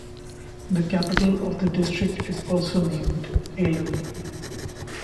The capital of the district is also named Aileu.